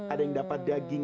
ada yang dapat daging